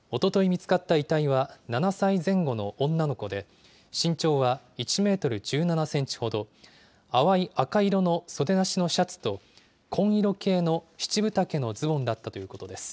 見つかった遺体は７歳前後の女の子で、身長は１メートル１７センチほど、淡い赤色の袖なしのシャツと、紺色系の七分丈のズボンだったということです。